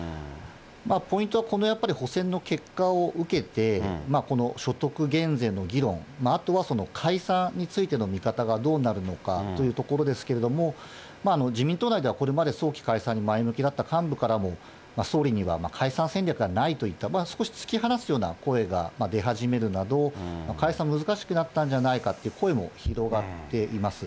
ポイントはこのやっぱり、補選の結果を受けて、所得減税の議論、あとは解散についての見方がどうなるのかというところですけれども、自民党内ではこれまで早期解散に前向きだった幹部からも総理には解散戦略がないといった、少し突き放すような声が出始めるなど、解散は難しくなったんじゃないかという声も広がっています。